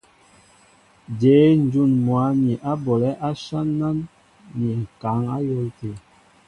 Jě ǹjún mwǎ ni á bolɛ̌ áshán ni ŋ̀kaŋ á yɔ̌l tê ?